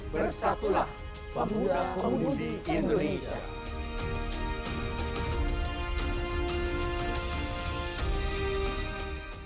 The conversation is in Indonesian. bersatulah pemuda pemudi indonesia